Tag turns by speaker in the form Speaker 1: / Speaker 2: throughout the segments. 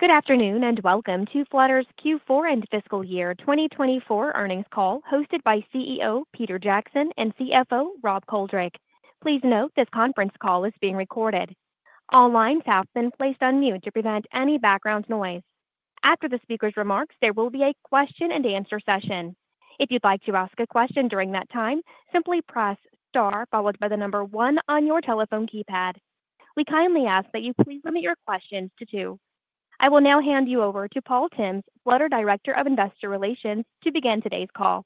Speaker 1: Good afternoon and Welcome to Flutter's Q4 and Fiscal Year 2024 Earnings Call, hosted by CEO Peter Jackson and CFO Rob Coldrake. Please note this conference call is being recorded. All lines have been placed on mute to prevent any background noise. After the speaker's remarks, there will be a question-and-answer session. If you'd like to ask a question during that time, simply press star followed by the number one on your telephone keypad. We kindly ask that you please limit your questions to two. I will now hand you over to Paul Tymms, Flutter Director of Investor Relations, to begin today's call.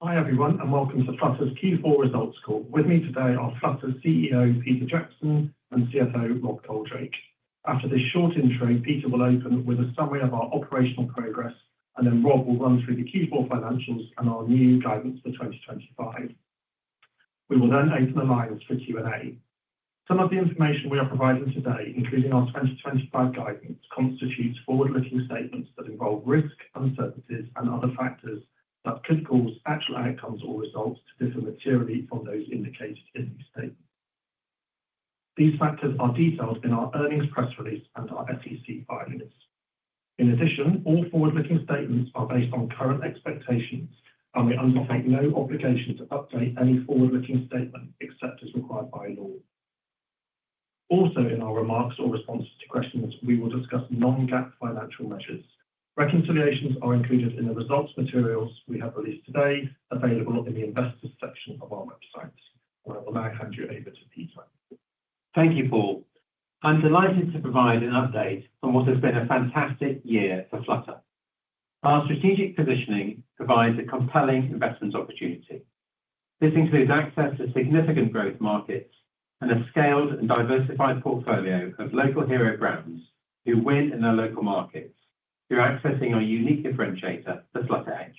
Speaker 2: Hi everyone, and welcome to Flutter's Q4 Results Call. With me today are Flutter's CEO Peter Jackson and CFO Rob Coldrake. After this short intro, Peter will open with a summary of our operational progress, and then Rob will run through the Q4 financials and our new guidance for 2025. We will then open the lines for Q&A. Some of the information we are providing today, including our 2025 guidance, constitutes forward-looking statements that involve risk, uncertainties, and other factors that could cause actual outcomes or results to differ materially from those indicated in these statements. These factors are detailed in our earnings press release and our SEC filings. In addition, all forward-looking statements are based on current expectations, and we undertake no obligation to update any forward-looking statement except as required by law. Also, in our remarks or responses to questions, we will discuss non-GAAP financial measures. Reconciliations are included in the results materials we have released today, available in the Investors section of our website. I will now hand you over to Peter.
Speaker 3: Thank you, Paul. I'm delighted to provide an update on what has been a fantastic year for Flutter. Our strategic positioning provides a compelling investment opportunity. This includes access to significant growth markets and a scaled and diversified portfolio of local hero brands who win in their local markets, who are accessing our unique differentiator, the Flutter Edge.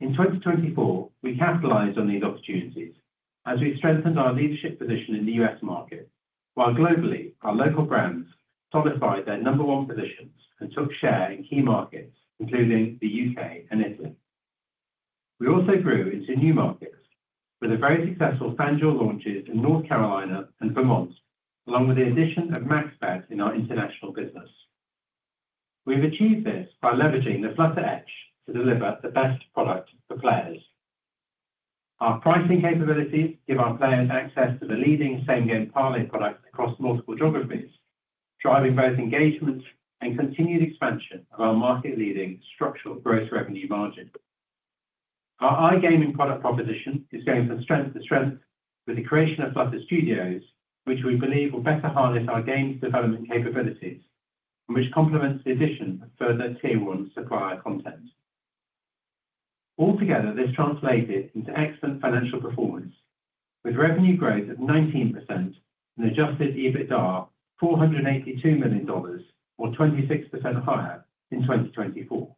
Speaker 3: In 2024, we capitalized on these opportunities as we strengthened our leadership position in the U.S. market, while globally our local brands solidified their number one positions and took share in key markets including the U.K. and Italy. We also grew into new markets with very successful FanDuel launches in North Carolina and Vermont, along with the addition of MaxBet in our international business. We've achieved this by leveraging the Flutter Edge to deliver the best product for players. Our pricing capabilities give our players access to the leading same-game parlay products across multiple geographies, driving both engagement and continued expansion of our market-leading structural gross revenue margin. Our iGaming product proposition is going from strength to strength with the creation of Flutter Studios, which we believe will better harness our games development capabilities, and which complements the addition of further tier-one supplier content. Altogether, this translated into excellent financial performance, with revenue growth of 19% and Adjusted EBITDA of $482 million, or 26% higher in 2024.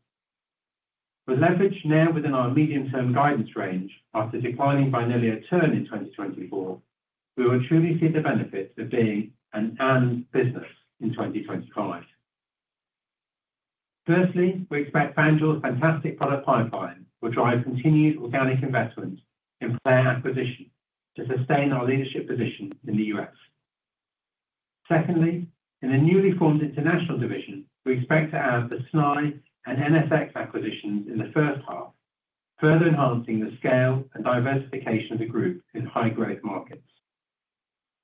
Speaker 3: With leverage now within our medium-term guidance range after declining by nearly a turn in 2024, we will truly see the benefits of being an "and" business in 2025. Firstly, we expect FanDuel's fantastic product pipeline will drive continued organic investment in player acquisition to sustain our leadership position in the U.S. Secondly, in the newly formed international division, we expect to add the Snai and NSX acquisitions in the first half, further enhancing the scale and diversification of the group in high-growth markets.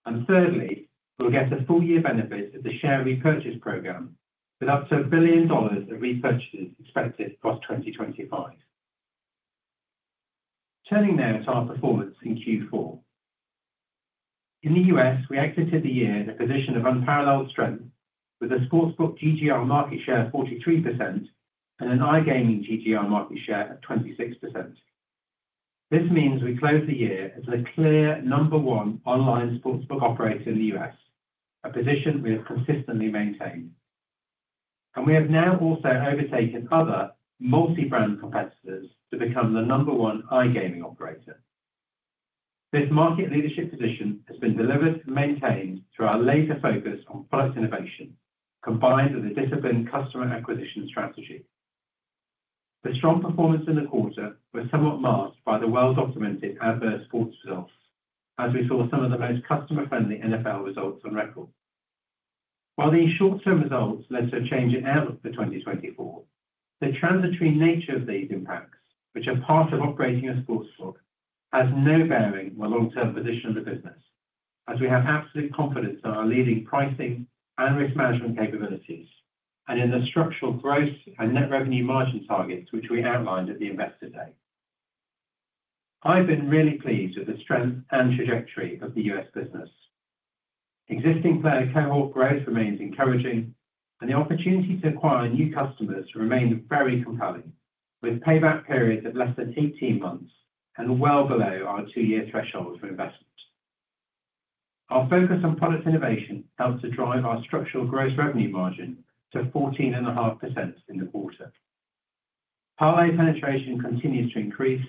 Speaker 3: And thirdly, we'll get a full-year benefit of the share repurchase program, with up to $1 billion of repurchases expected across 2025. Turning now to our performance in Q4. In the U.S., we exited the year in a position of unparalleled strength, with a sportsbook GGR market share of 43% and an iGaming GGR market share of 26%. This means we closed the year as the clear number one online sportsbook operator in the U.S., a position we have consistently maintained. And we have now also overtaken other multi-brand competitors to become the number one iGaming operator. This market leadership position has been delivered and maintained through our laser focus on product innovation, combined with a disciplined customer acquisition strategy. The strong performance in the quarter was somewhat masked by the well-documented adverse sports results, as we saw some of the most customer-friendly NFL results on record. While these short-term results led to a change in outlook for 2024, the transitory nature of these impacts, which are part of operating a sportsbook, has no bearing on the long-term position of the business, as we have absolute confidence in our leading pricing and risk management capabilities, and in the structural growth and net revenue margin targets which we outlined at the Investor Day. I've been really pleased with the strength and trajectory of the U.S. business. Existing player cohort growth remains encouraging, and the opportunity to acquire new customers remains very compelling, with payback periods of less than 18 months and well below our two-year threshold for investment. Our focus on product innovation helped to drive our structural gross revenue margin to 14.5% in the quarter. parlay penetration continues to increase,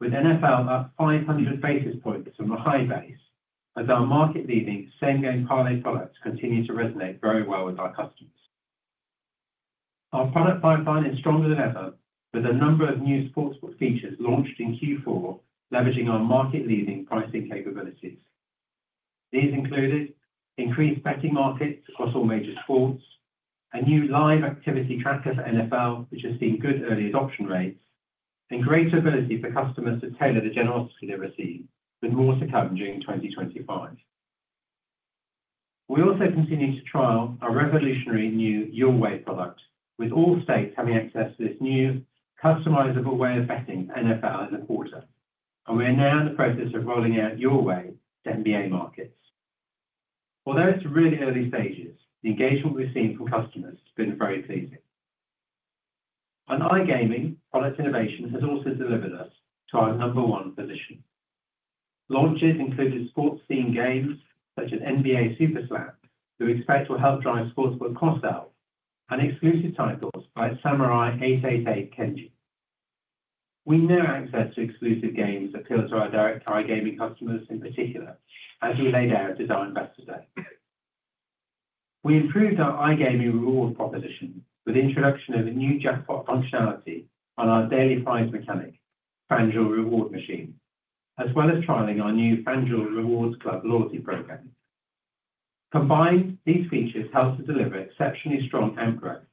Speaker 3: with NFL up 500 basis points from the high base, as our market-leading same-game parlay products continue to resonate very well with our customers. Our product pipeline is stronger than ever, with a number of new sportsbook features launched in Q4 leveraging our market-leading pricing capabilities. These included increased betting markets across all major sports, a new live activity tracker for NFL, which has seen good early adoption rates, and greater ability for customers to tailor the generosity they receive, with more to come during 2025. We also continue to trial our revolutionary new Your Way product, with all states having access to this new customizable way of betting NFL in the quarter, and we are now in the process of rolling out Your Way to NBA markets. Although it's really early stages, the engagement we've seen from customers has been very pleasing. And iGaming product innovation has also delivered us to our number one position. Launches included sports-themed games such as NBA Super Slam, which we expect will help drive sportsbook cross-sell, and exclusive titles like Samurai 888 Kenji. We now access exclusive games that appeal to our direct iGaming customers in particular, as we laid out at the Investor Day. We improved our iGaming reward proposition with the introduction of a new jackpot functionality on our daily prize mechanic, FanDuel Reward Machine, as well as trialing our new FanDuel Rewards Club Loyalty Program. Combined, these features help to deliver exceptionally strong AMP growth,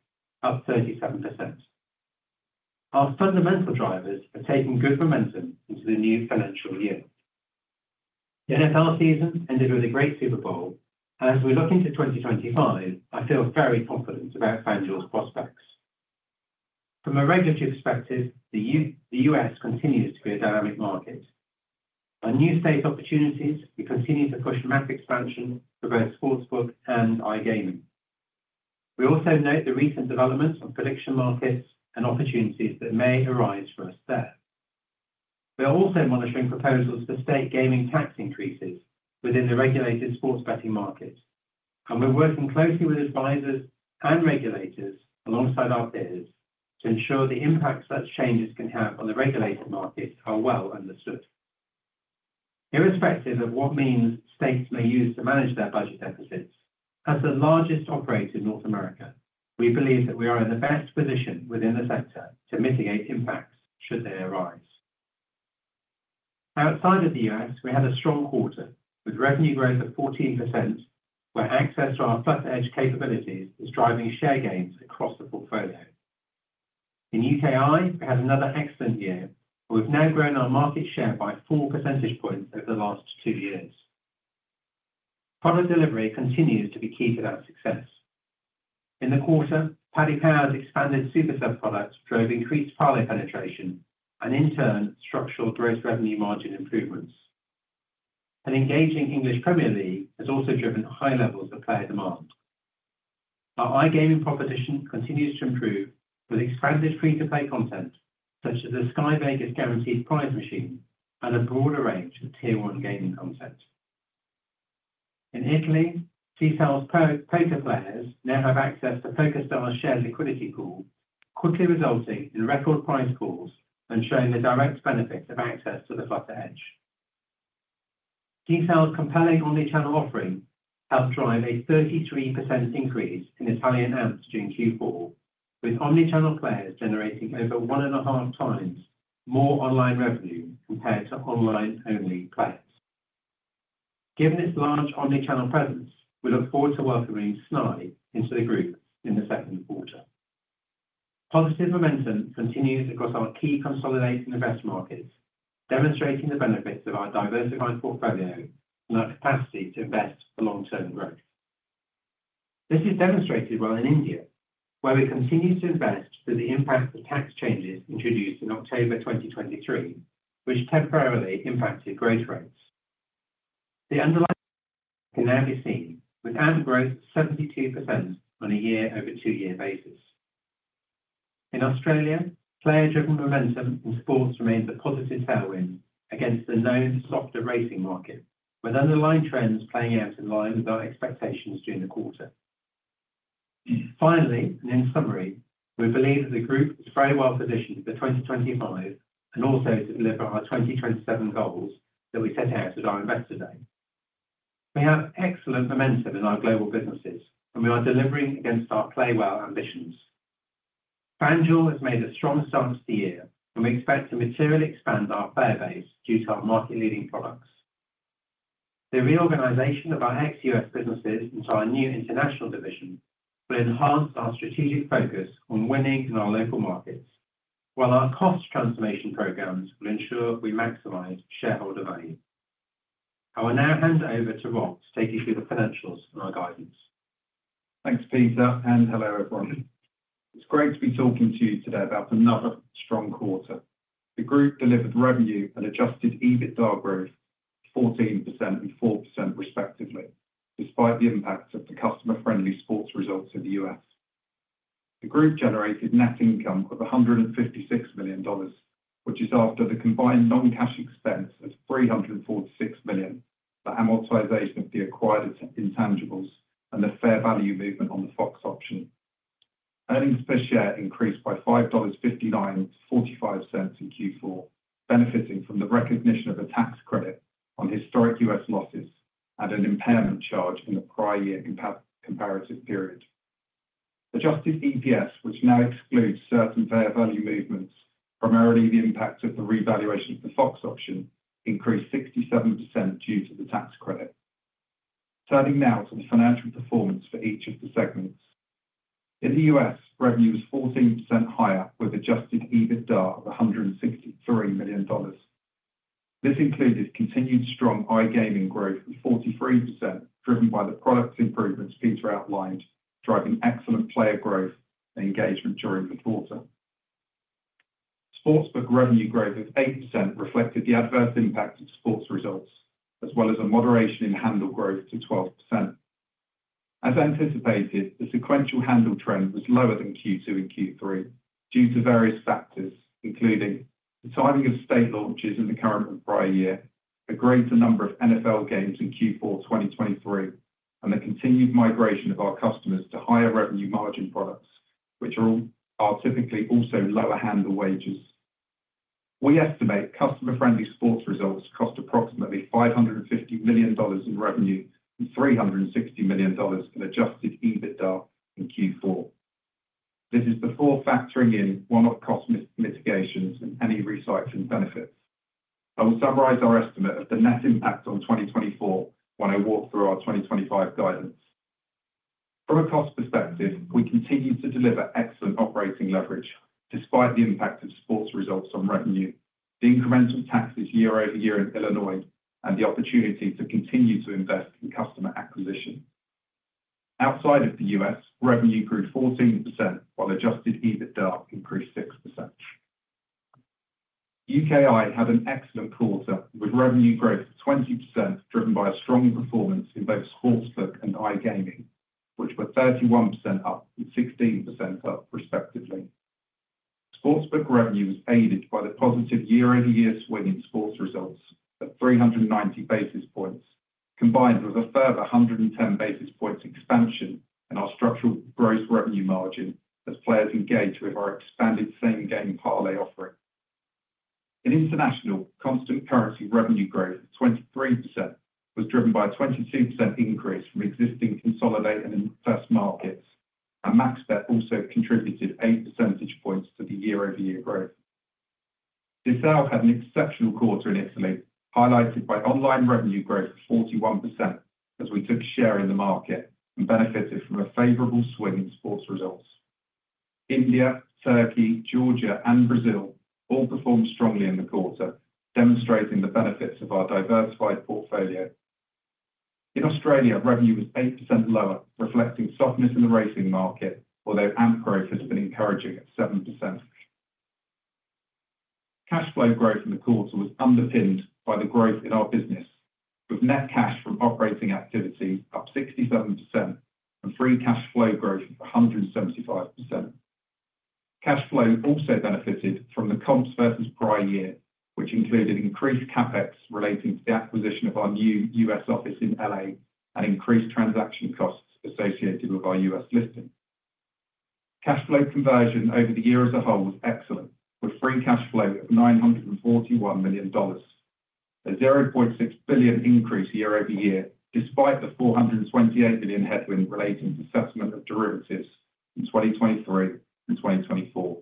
Speaker 3: up 37%. Our fundamental drivers are taking good momentum into the new financial year. The NFL season ended with a great Super Bowl, and as we look into 2025, I feel very confident about FanDuel's prospects. From a regulatory perspective, the U.S. continues to be a dynamic market. Our new state opportunities continue to push AMP expansion for both sportsbook and iGaming. We also note the recent developments on prediction markets and opportunities that may arise for us there. We are also monitoring proposals for state gaming tax increases within the regulated sports betting market, and we're working closely with advisors and regulators alongside our peers to ensure the impacts such changes can have on the regulated market are well understood. Irrespective of what means states may use to manage their budget deficits, as the largest operator in North America, we believe that we are in the best position within the sector to mitigate impacts should they arise. Outside of the U.S., we had a strong quarter with revenue growth of 14%, where access to our Flutter Edge capabilities is driving share gains across the portfolio. In UKI, we had another excellent year, and we've now grown our market share by 4 percentage points over the last two years. Product delivery continues to be key to that success. In the quarter, Paddy Power's expanded Super Sub products drove increased parlay penetration and, in turn, structural gross revenue margin improvements. An engaging English Premier League has also driven high levels of player demand. Our iGaming proposition continues to improve, with expanded free-to-play content such as the Sky Vegas Guaranteed Prize Machine and a broader range of tier-one gaming content. In Italy, Sisal's poker players now have access to PokerStars' shared liquidity pool, quickly resulting in record prize pools and showing the direct benefits of access to the Flutter Edge. Sisal's compelling omnichannel offering helped drive a 33% increase in Italian AMPs during Q4, with omnichannel players generating over one and a half times more online revenue compared to online-only players. Given its large omnichannel presence, we look forward to welcoming Snaitech into the group in the Q2. Positive momentum continues across our key consolidating investment markets, demonstrating the benefits of our diversified portfolio and our capacity to invest for long-term growth. This is demonstrated well in India, where we continue to invest through the impact of tax changes introduced in October 2023, which temporarily impacted growth rates. The underlying can now be seen, with AMP growth of 72% on a year-over-two-year basis. In Australia, player-driven momentum in sports remains a positive tailwind against the known softer racing market, with underlying trends playing out in line with our expectations during the quarter. Finally, and in summary, we believe that the group is very well positioned for 2025 and also to deliver our 2027 goals that we set out at our Investor Day. We have excellent momentum in our global businesses, and we are delivering against our Play Well ambitions. FanDuel has made a strong start to the year, and we expect to materially expand our player base due to our market-leading products. The reorganization of our ex-U.S. businesses into our new international division will enhance our strategic focus on winning in our local markets, while our cost transformation programs will ensure we maximize shareholder value. I will now hand over to Rob to take you through the financials and our guidance.
Speaker 4: Thanks, Peter, and hello everyone. It's great to be talking to you today about another strong quarter. The group delivered revenue and Adjusted EBITDA growth of 14% and 4% respectively, despite the impact of the customer-friendly sports results in the U.S. The group generated net income of $156 million, which is after the combined non-cash expense of $346 million, the amortization of the acquired intangibles, and the fair value movement on the Fox option. Earnings per share increased by $5.59-45% in Q4, benefiting from the recognition of a tax credit on historic U.S. losses and an impairment charge in the prior year comparative period. Adjusted EPS, which now excludes certain fair value movements, primarily the impact of the revaluation of the Fox option, increased 67% due to the tax credit. Turning now to the financial performance for each of the segments. In the U.S., revenue was 14% higher with adjusted EBITDA of $163 million. This included continued strong iGaming growth of 43%, driven by the product improvements Peter outlined, driving excellent player growth and engagement during the quarter. Sportsbook revenue growth of 8% reflected the adverse impact of sports results, as well as a moderation in handle growth to 12%. As anticipated, the sequential handle trend was lower than Q2 and Q3 due to various factors, including the timing of state launches in the current and prior year, a greater number of NFL games in Q4 2023, and the continued migration of our customers to higher revenue margin products, which are typically also lower handle wagers. We estimate customer-friendly sports results cost approximately $550 million in revenue and $360 million in adjusted EBITDA in Q4. This is before factoring in one-off cost mitigations and any recycling benefits. I will summarize our estimate of the net impact on 2024 when I walk through our 2025 guidance. From a cost perspective, we continue to deliver excellent operating leverage despite the impact of sports results on revenue, the incremental taxes year over year in Illinois, and the opportunity to continue to invest in customer acquisition. Outside of the U.S., revenue grew 14%, while adjusted EBITDA increased 6%. UKI had an excellent quarter with revenue growth of 20%, driven by a strong performance in both sportsbook and iGaming, which were 31% up and 16% up respectively. Sportsbook revenue was aided by the positive year-over-year swing in sports results at 390 basis points, combined with a further 110 basis points expansion in our structural gross revenue margin as players engaged with our expanded same-game parlay offering. In International, constant currency revenue growth of 23% was driven by a 22% increase from existing consolidated and investee markets, and MaxBet also contributed 8 percentage points to the year-over-year growth. Sisal had an exceptional quarter in Italy, highlighted by online revenue growth of 41% as we took a share in the market and benefited from a favorable swing in sports results. India, Turkey, Georgia, and Brazil all performed strongly in the quarter, demonstrating the benefits of our diversified portfolio. In Australia, revenue was 8% lower, reflecting softness in the racing market, although AMP growth has been encouraging at 7%. Cash flow growth in the quarter was underpinned by the growth in our business, with net cash from operating activity up 67% and free cash flow growth of 175%. Cash flow also benefited from the comps versus prior year, which included increased CapEx relating to the acquisition of our new U.S. office in LA and increased transaction costs associated with our U.S. listing. Cash flow conversion over the year as a whole was excellent, with free cash flow of $941 million, a $0.6 billion increase year over year despite the $428 million headwind relating to settlement of derivatives in 2023 and 2024.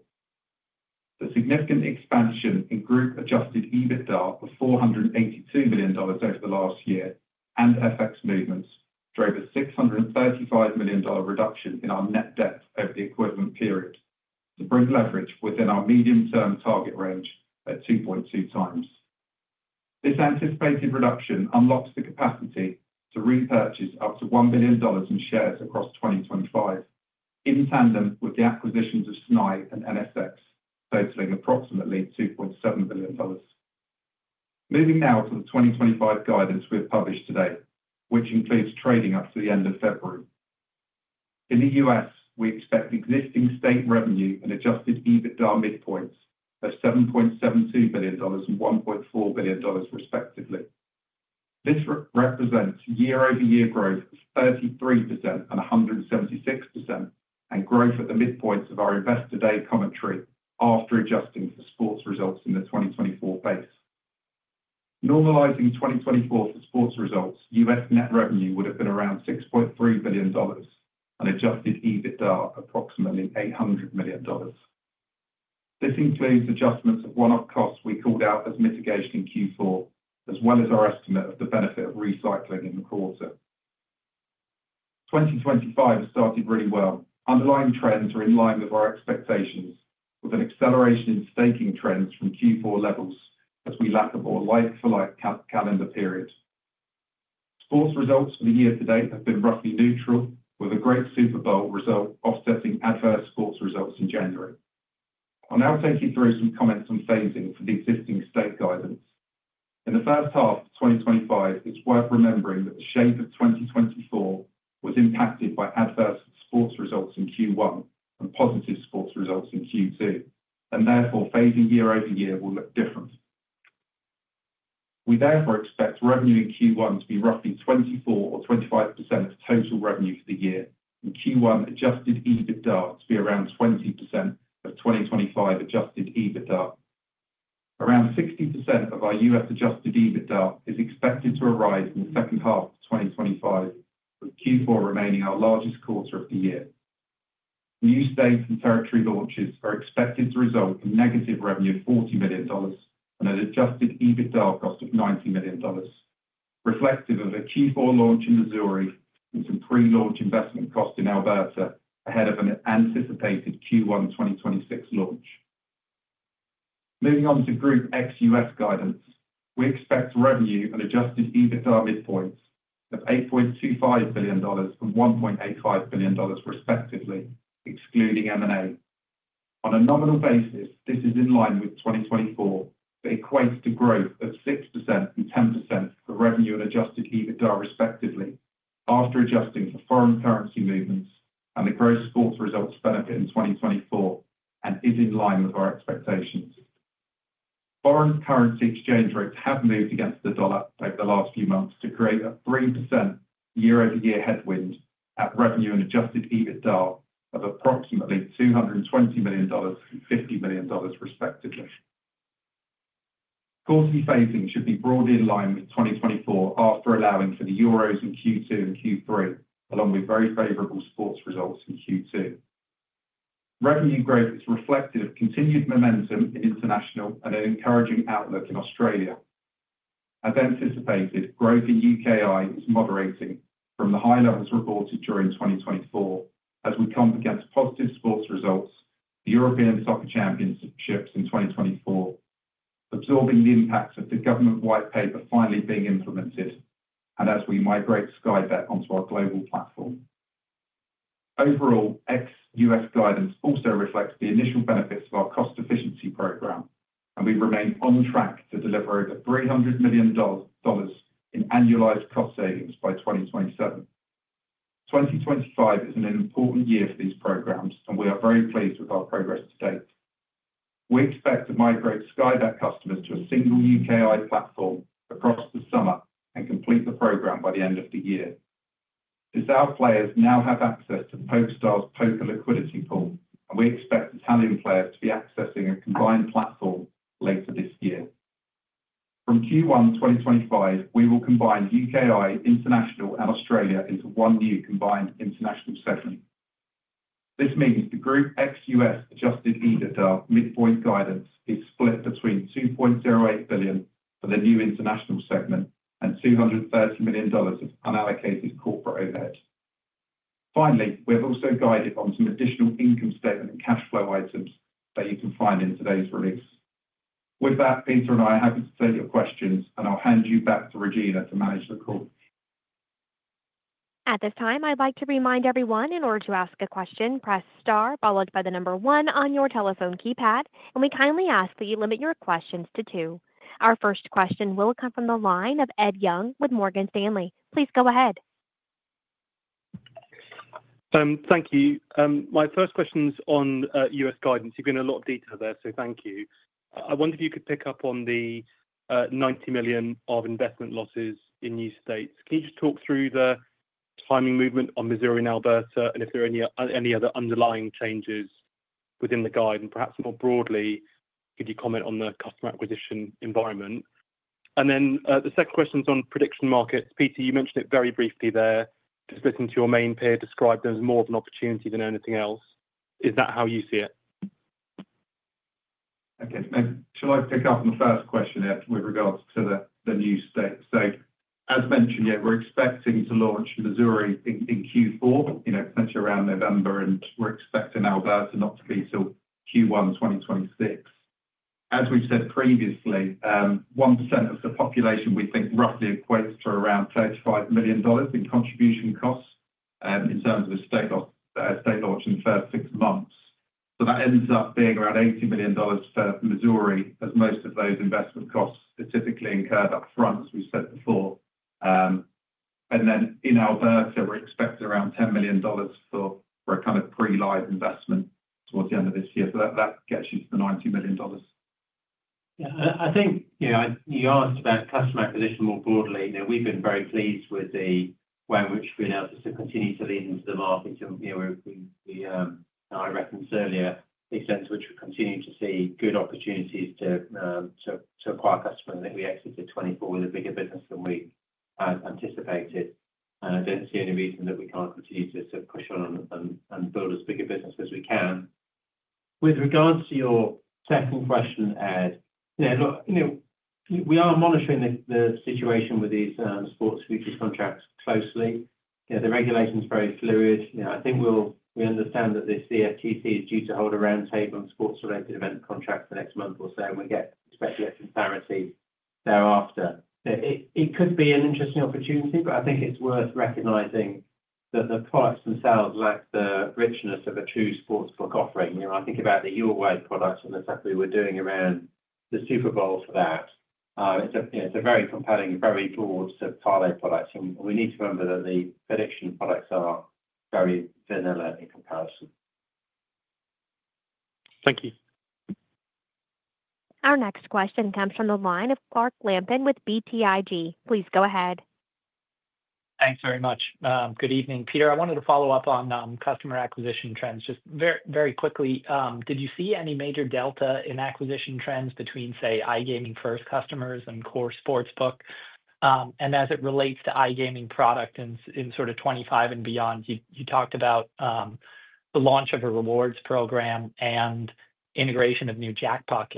Speaker 4: The significant expansion in group-adjusted EBITDA of $482 million over the last year and FX movements drove a $635 million reduction in our net debt over the equivalent period to bring leverage within our medium-term target range at 2.2 times. This anticipated reduction unlocks the capacity to repurchase up to $1 billion in shares across 2025, in tandem with the acquisitions of Snai and NSX, totaling approximately $2.7 billion. Moving now to the 2025 guidance we have published today, which includes trading up to the end of February. In the U.S., we expect existing state revenue and Adjusted EBITDA midpoints of $7.72 billion and $1.4 billion respectively. This represents year-over-year growth of 33% and 176% and growth at the midpoints of our Investor Day commentary after adjusting for sports results in the 2024 base. Normalizing 2024 for sports results, U.S. net revenue would have been around $6.3 billion and Adjusted EBITDA approximately $800 million. This includes adjustments of one-off costs we called out as mitigation in Q4, as well as our estimate of the benefit of recycling in the quarter. 2025 has started really well. Underlying trends are in line with our expectations, with an acceleration in staking trends from Q4 levels as we lap a more like-for-like calendar period. Sports results for the year to date have been roughly neutral, with a great Super Bowl result offsetting adverse sports results in January. I'll now take you through some comments on phasing for the existing state guidance. In the first half of 2025, it's worth remembering that the shape of 2024 was impacted by adverse sports results in Q1 and positive sports results in Q2, and therefore phasing year over year will look different. We therefore expect revenue in Q1 to be roughly 24% or 25% of total revenue for the year, and Q1 Adjusted EBITDA to be around 20% of 2025 Adjusted EBITDA. Around 60% of our U.S. Adjusted EBITDA is expected to arise in the second half of 2025, with Q4 remaining our largest quarter of the year. New states and territory launches are expected to result in negative revenue of $40 million and an adjusted EBITDA cost of $90 million, reflective of a Q4 launch in Missouri and some pre-launch investment cost in Alberta ahead of an anticipated Q1 2026 launch. Moving on to group ex-U.S guidance, we expect revenue and adjusted EBITDA midpoints of $8.25 billion and $1.85 billion respectively, excluding M&A. On a nominal basis, this is in line with 2024, but equates to growth of 6% and 10% for revenue and adjusted EBITDA respectively after adjusting for foreign currency movements and the gross sports results benefit in 2024 and is in line with our expectations. Foreign currency exchange rates have moved against the dollar over the last few months to create a 3% year-over-year headwind at revenue and adjusted EBITDA of approximately $220 million and $50 million respectively. Quarterly phasing should be brought in line with 2024 after allowing for the Euros in Q2 and Q3, along with very favorable sports results in Q2. Revenue growth is reflective of continued momentum in international and an encouraging outlook in Australia. As anticipated, growth in UKI is moderating from the high levels reported during 2024 as we comp against positive sports results, the European Soccer Championships in 2024, absorbing the impacts of the government White Paper finally being implemented, and as we migrate Sky Bet onto our global platform. Overall, ex-U.S. guidance also reflects the initial benefits of our cost efficiency program, and we remain on track to deliver over $300 million in annualized cost savings by 2027. 2025 is an important year for these programs, and we are very pleased with our progress to date. We expect to migrate Sky Bet customers to a single UKI platform across the summer and complete the program by the end of the year. Sisal players now have access to PokerStars' Poker Liquidity Pool, and we expect Italian players to be accessing a combined platform later this year. From Q1 2025, we will combine UKI, international, and Australia into one new combined international segment. This means the group ex-U.S. Adjusted EBITDA midpoint guidance is split between $2.08 billion for the new international segment and $230 million of unallocated corporate overhead. Finally, we have also guided on some additional income statement and cash flow items that you can find in today's release. With that, Peter and I are happy to take your questions, and I'll hand you back to Regina to manage the call.
Speaker 1: At this time, I'd like to remind everyone in order to ask a question, press star followed by the number one on your telephone keypad, and we kindly ask that you limit your questions to two. Our first question will come from the line of Ed Young with Morgan Stanley. Please go ahead.
Speaker 5: Thank you. My first question is on U.S. guidance. You've given a lot of detail there, so thank you. I wonder if you could pick up on the $90 million of investment losses in new states. Can you just talk through the timing movement on Missouri and Alberta, and if there are any other underlying changes within the guide, and perhaps more broadly, could you comment on the customer acquisition environment, and then the second question is on prediction markets. Peter, you mentioned it very briefly there. Just listen to your main pair describe them as more of an opportunity than anything else. Is that how you see it?
Speaker 4: Okay. And shall I pick up on the first question there with regards to the new states? So as mentioned, yeah, we're expecting to launch Missouri in Q4, potentially around November, and we're expecting Alberta not to be until Q1 2026. As we've said previously, 1% of the population we think roughly equates to around $35 million in contribution costs in terms of a state launch in the first six months. So that ends up being around $80 million for Missouri, as most of those investment costs specifically incurred upfront, as we've said before. And then in Alberta, we're expecting around $10 million for a kind of pre-live investment towards the end of this year. So that gets you to the $90 million.
Speaker 3: Yeah. I think you asked about customer acquisition more broadly. We've been very pleased with the way in which we've been able to continue to lean into the market. And I mentioned earlier the extent to which we continue to see good opportunities to acquire customers that we exited 2024 with a bigger business than we anticipated. And I don't see any reason that we can't continue to push on and build as big a business as we can. With regards to your second question, Ed, we are monitoring the situation with these sports futures contracts closely. The regulation's very fluid. I think we understand that the CFTC is due to hold a roundtable on sports-related event contracts the next month or so, and we expect to get some clarity thereafter. It could be an interesting opportunity, but I think it's worth recognizing that the products themselves lack the richness of a true sportsbook offering. I think about the Your Way products and the stuff we were doing around the Super Bowl for that. It's a very compelling, very broad set of parlay products, and we need to remember that the prediction products are very vanilla in comparison.
Speaker 5: Thank you.
Speaker 1: Our next question comes from the line of Clark Lampen with BTIG. Please go ahead.
Speaker 6: Thanks very much. Good evening, Peter. I wanted to follow up on customer acquisition trends. Just very quickly, did you see any major delta in acquisition trends between, say, iGaming First customers and Core Sportsbook? And as it relates to iGaming product in sort of 2025 and beyond, you talked about the launch of a rewards program and integration of new jackpot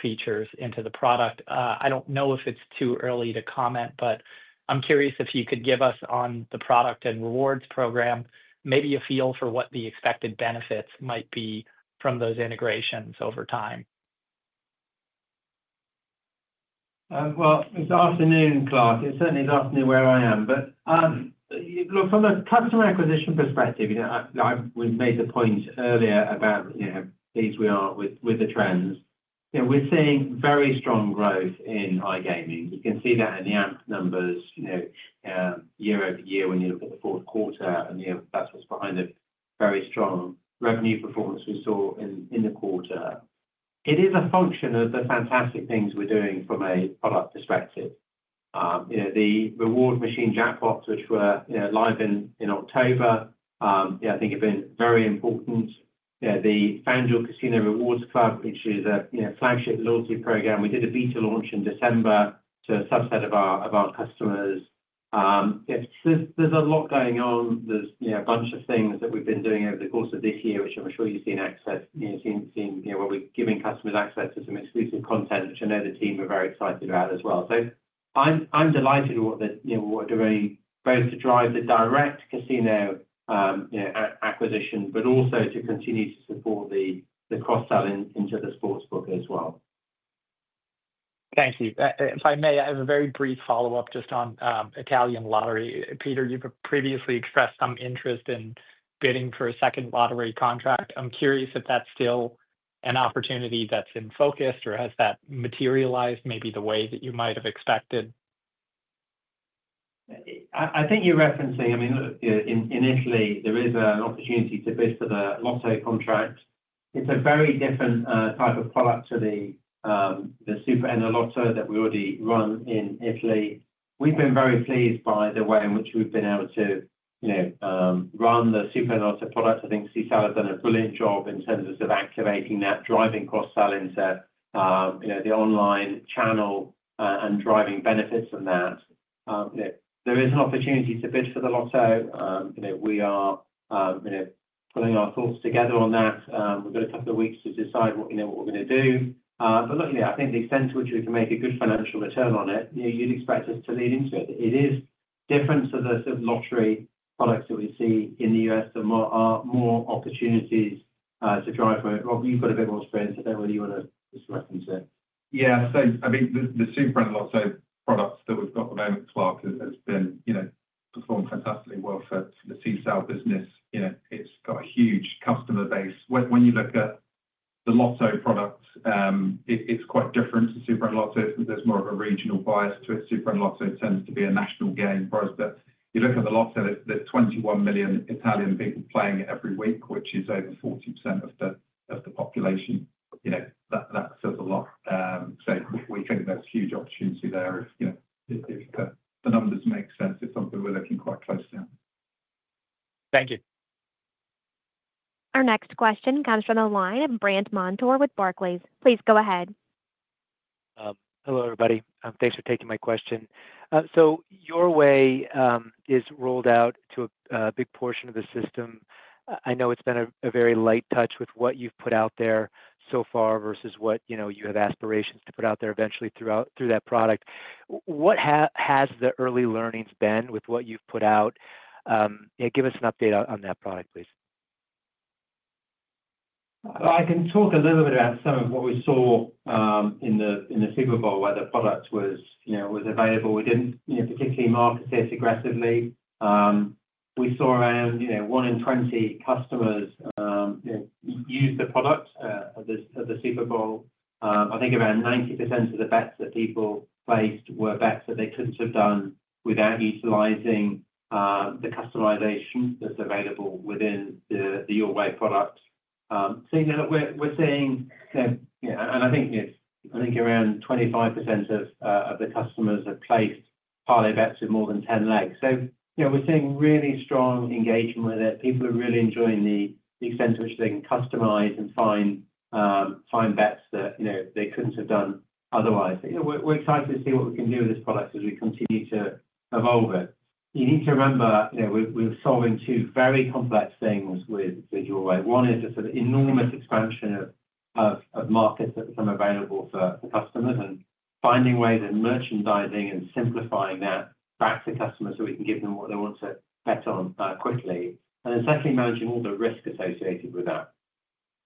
Speaker 6: features into the product. I don't know if it's too early to comment, but I'm curious if you could give us, on the product and rewards program, maybe a feel for what the expected benefits might be from those integrations over time?
Speaker 3: It's afternoon, Clark. It certainly is afternoon where I am. Look, from a customer acquisition perspective, we've made the point earlier about this, we are with the trends. We're seeing very strong growth in iGaming. You can see that in the AMP numbers year over year when you look at the Q4, and that's what's behind the very strong revenue performance we saw in the quarter. It is a function of the fantastic things we're doing from a product perspective. The Reward Machine jackpots, which were live in October, I think have been very important. The FanDuel Casino Rewards Club, which is a flagship loyalty program, we did a beta launch in December to a subset of our customers. There's a lot going on. There's a bunch of things that we've been doing over the course of this year, which I'm sure you've seen, as we've seen where we're giving customers access to some exclusive content, which I know the team are very excited about as well. So I'm delighted with what we're doing, both to drive the direct casino acquisition, but also to continue to support the cross-sell into the sportsbook as well.
Speaker 6: Thank you. If I may, I have a very brief follow-up just on Italian lottery. Peter, you've previously expressed some interest in bidding for a second lottery contract. I'm curious if that's still an opportunity that's in focus, or has that materialized maybe the way that you might have expected?
Speaker 3: I think you're referencing, I mean, look, in Italy, there is an opportunity to bid for the Lotto contract. It's a very different type of product to the SuperEnalotto that we already run in Italy. We've been very pleased by the way in which we've been able to run the SuperEnalotto product. I think Sisal has done a brilliant job in terms of activating that, driving cross-sell into the online channel and driving benefits from that. There is an opportunity to bid for the Lotto. We are pulling our thoughts together on that. We've got a couple of weeks to decide what we're going to do. But look, I think the extent to which we can make a good financial return on it, you'd expect us to lean into it. It is different to the sort of lottery products that we see in the U.S. The more opportunities to drive from it. Rob, you've got a bit more experience. I don't know whether you want to just reference it.
Speaker 4: Yeah. So I think the SuperEnalotto products that we've got at the moment has been performing fantastically well for the Sisal business. It's got a huge customer base. When you look at the Lotto product, it's quite different to SuperEnalotto. There's more of a regional bias to it. SuperEnalotto tends to be a national game for us. But you look at the Lotto, there's 21 million Italian people playing every week, which is over 40% of the population. That says a lot. So we think there's huge opportunity there if the numbers make sense, if something we're looking quite close to.
Speaker 6: Thank you.
Speaker 1: Our next question comes from the line of Brandt Montour with Barclays. Please go ahead.
Speaker 7: Hello, everybody. Thanks for taking my question. So Your Way is rolled out to a big portion of the system. I know it's been a very light touch with what you've put out there so far versus what you have aspirations to put out there eventually through that product. What has the early learnings been with what you've put out? Give us an update on that product, please.
Speaker 3: I can talk a little bit about some of what we saw in the Super Bowl, where the product was available. We didn't particularly market it aggressively. We saw around one in 20 customers use the product at the Super Bowl. I think around 90% of the bets that people placed were bets that they couldn't have done without utilizing the customization that's available within the Your Way product. So we're seeing, and I think around 25% of the customers have placed parlay bets with more than 10 legs. So we're seeing really strong engagement with it. People are really enjoying the extent to which they can customize and find bets that they couldn't have done otherwise. We're excited to see what we can do with this product as we continue to evolve it. You need to remember we're solving two very complex things with Your Way. One is the sort of enormous expansion of markets that become available for customers and finding ways of merchandising and simplifying that back to customers so we can give them what they want to bet on quickly. And then secondly, managing all the risk associated with that.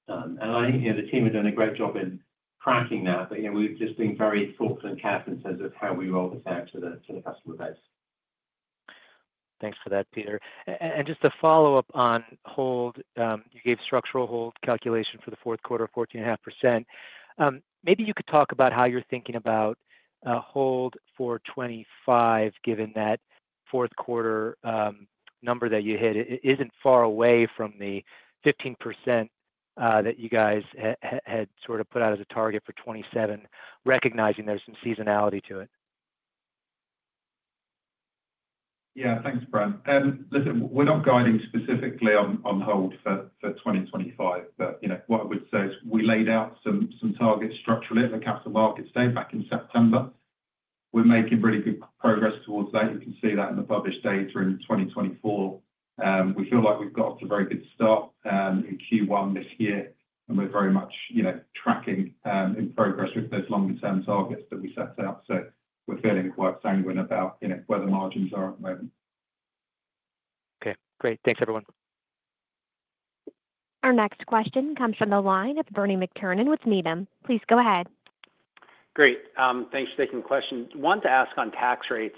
Speaker 3: And I think the team have done a great job in tracking that, but we've just been very thoughtful and careful in terms of how we roll this out to the customer base.
Speaker 7: Thanks for that, Peter. And just to follow up on hold, you gave structural hold calculation for the Q4, 14.5%. Maybe you could talk about how you're thinking about hold for 2025, given that Q4 number that you hit isn't far away from the 15% that you guys had sort of put out as a target for 2027, recognizing there's some seasonality to it?
Speaker 4: Yeah. Thanks, Brandt. Listen, we're not guiding specifically on hold for 2025, but what I would say is we laid out some targets structurally at the Capital Markets Day back in September. We're making really good progress towards that. You can see that in the published data in 2024. We feel like we've got off to a very good start in Q1 this year, and we're very much tracking in progress with those longer-term targets that we set out. So we're feeling quite sanguine about where the margins are at the moment.
Speaker 8: Okay. Great. Thanks, everyone.
Speaker 1: Our next question comes from the line of Bernie McTernan with Needham. Please go ahead.
Speaker 9: Great. Thanks for taking the question. One to ask on tax rates,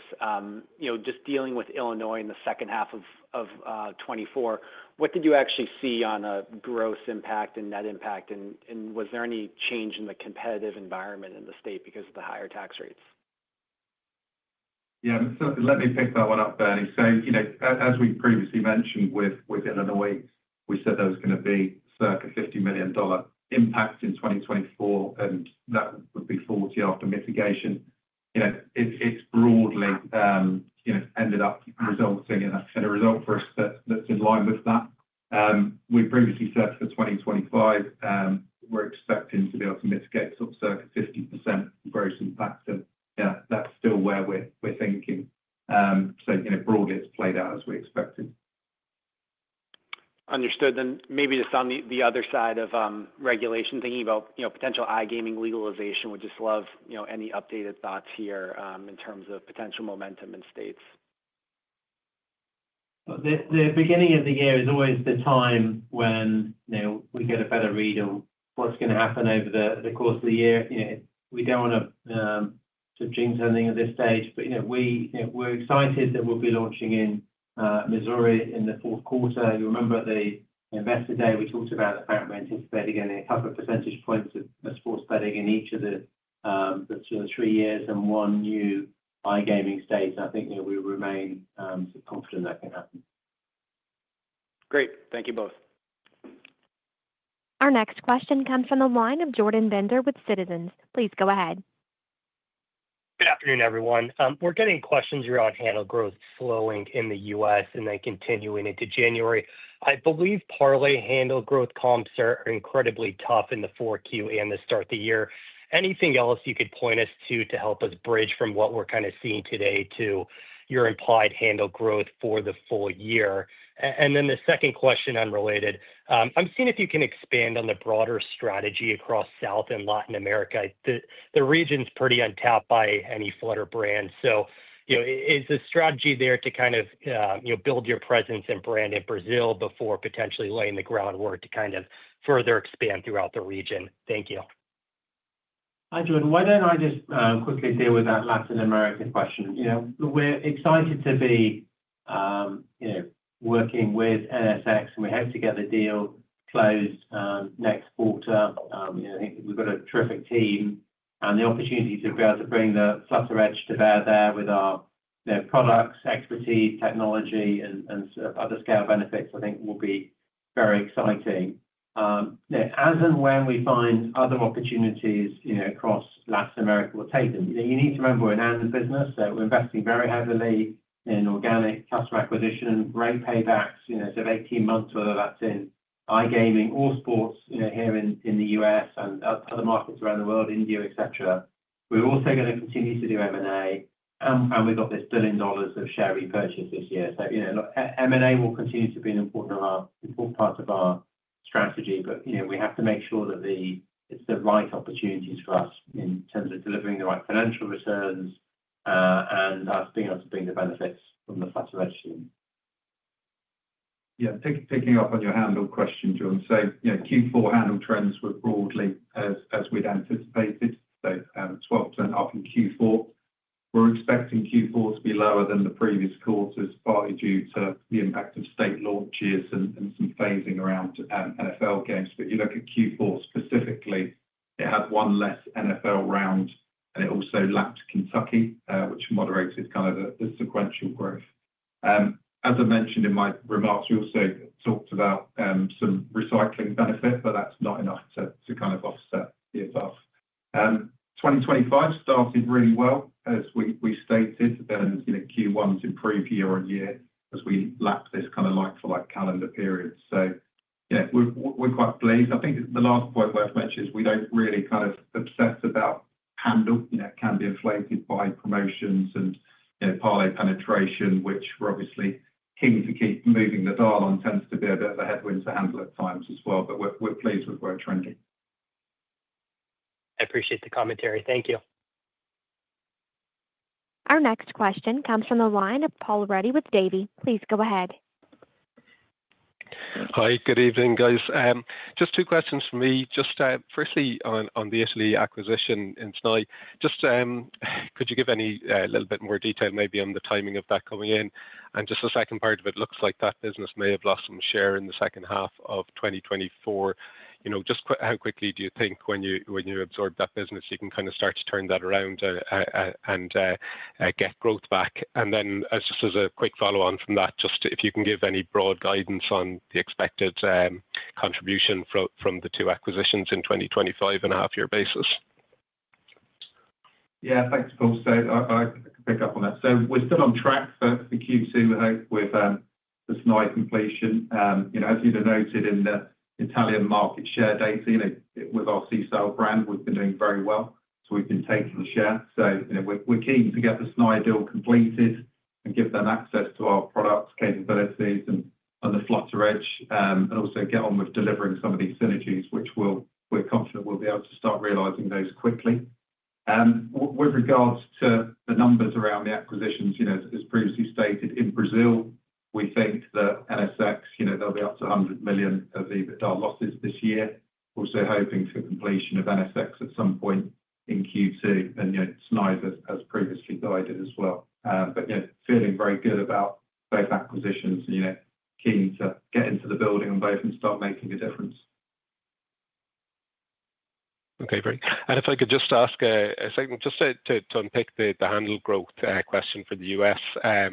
Speaker 9: just dealing with Illinois in the second half of 2024, what did you actually see on a gross impact and net impact, and was there any change in the competitive environment in the state because of the higher tax rates?
Speaker 4: Yeah. So let me pick that one up, Bernie. So as we previously mentioned with Illinois, we said there was going to be circa $50 million impact in 2024, and that would be $40 million after mitigation. It's broadly ended up resulting in a result for us that's in line with that. We previously said for 2025, we're expecting to be able to mitigate sort of circa 50% gross impact. And yeah, that's still where we're thinking. So broadly, it's played out as we expected.
Speaker 9: Understood. And maybe just on the other side of regulation, thinking about potential iGaming legalization, would just love any updated thoughts here in terms of potential momentum in states?
Speaker 3: The beginning of the year is always the time when we get a better read on what's going to happen over the course of the year. We don't want to sort of dream spending at this stage, but we're excited that we'll be launching in Missouri in the Q4. You remember the investor day, we talked about the fact we anticipate getting a couple of percentage points of sports betting in each of the three years and one new iGaming state. I think we remain confident that can happen.
Speaker 9: Great. Thank you both.
Speaker 1: Our next question comes from the line of Jordan Bender with Citizens. Please go ahead.
Speaker 10: Good afternoon, everyone. We're getting questions around handle growth slowing in the U.S. and then continuing into January. I believe parlay handle growth comps are incredibly tough in the fourth Q and the start of the year. Anything else you could point us to to help us bridge from what we're kind of seeing today to your implied handle growth for the full year? And then the second question unrelated, I'm seeing if you can expand on the broader strategy across South and Latin America. The region is pretty untapped by any Flutter brand. So is the strategy there to kind of build your presence and brand in Brazil before potentially laying the groundwork to kind of further expand throughout the region? Thank you.
Speaker 3: Hi, Jordan. Why don't I just quickly deal with that Latin America question? We're excited to be working with NSX, and we hope to get the deal closed next quarter. I think we've got a terrific team, and the opportunity to be able to bring the Flutter Edge to bear there with our products, expertise, technology, and sort of other scale benefits, I think will be very exciting. As and when we find other opportunities across Latin America, we'll take them. You need to remember we're an and business, so we're investing very heavily in organic customer acquisition, rate paybacks, sort of 18 months, whether that's in iGaming or sports here in the U.S. and other markets around the world, India, etc. We're also going to continue to do M&A, and we've got this $1 billion of share repurchase this year. So M&A will continue to be an important part of our strategy, but we have to make sure that it's the right opportunities for us in terms of delivering the right financial returns and us being able to bring the benefits from the Flutter regime.
Speaker 4: Yeah. Picking up on your handle question, Jordan. So Q4 handle trends were broadly as we'd anticipated, so 12% up in Q4. We're expecting Q4 to be lower than the previous quarters, partly due to the impact of state launches and some phasing around NFL games. But you look at Q4 specifically, it had one less NFL round, and it also lapped Kentucky, which moderated kind of the sequential growth. As I mentioned in my remarks, we also talked about some recycling benefit, but that's not enough to kind of offset the above. 2025 started really well, as we stated, and Q1 has improved year on year as we lap this kind of like-for-like calendar period. So we're quite pleased. I think the last point worth mentioning is we don't really kind of obsess about handle. It can be inflated by promotions and parlay penetration, which we're obviously keen to keep moving the dial on. Tends to be a bit of a headwind to handle at times as well, but we're pleased with where we're trending.
Speaker 11: I appreciate the commentary. Thank you.
Speaker 1: Our next question comes from the line of Paul Ruddy with Davy. Please go ahead.
Speaker 12: Hi. Good evening, guys. Just two questions for me. Just firstly on the Italy acquisition in Snai, just could you give any little bit more detail maybe on the timing of that coming in? And just the second part of it looks like that business may have lost some share in the second half of 2024. Just how quickly do you think when you absorb that business, you can kind of start to turn that around and get growth back? And then just as a quick follow-on from that, just if you can give any broad guidance on the expected contribution from the two acquisitions in 2025 on a half-year basis.
Speaker 4: Yeah. Thanks, Paul. So I can pick up on that. So we're still on track for Q2, I hope, with the SNAI completion. As you noted in the Italian market share data, with our Sisal brand, we've been doing very well. So we've been taking the share. So we're keen to get the SNAI deal completed and give them access to our product capabilities and the Flutter Edge, and also get on with delivering some of these synergies, which we're confident we'll be able to start realizing those quickly. With regards to the numbers around the acquisitions, as previously stated, in Brazil, we think that NSX, they'll be up to $100 million of EBITDA losses this year. Also hoping for completion of NSX at some point in Q2, and SNAI has previously guided as well. But feeling very good about both acquisitions and keen to get into the building on both and start making a difference.
Speaker 12: Okay. Great. And if I could just ask a second, just to unpick the handle growth question for the U.S. a